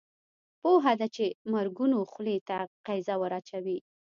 پوهه ده چې د مرګونو خولې ته قیضه ور اچوي.